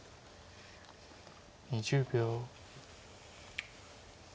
２０秒。